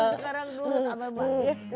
sekarang nurut sama ma ya